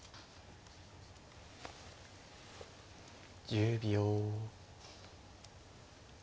１０秒。